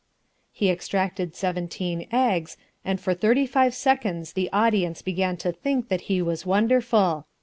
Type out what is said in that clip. He extracted seventeen eggs, and for thirty five seconds the audience began to think that he was wonderful.